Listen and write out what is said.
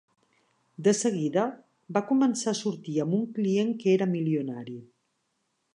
De seguida, va començar a sortir amb un client que era milionari.